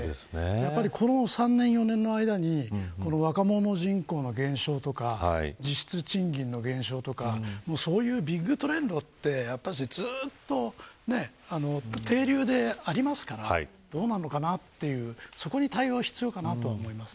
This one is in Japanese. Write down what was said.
やっぱり、この３年、４年の間に若者人口の減少とか実質、賃金の減少とかそういうビッグトレンドがずっと底流でありますからどうなるのかなというそこに対応が必要かなと思います。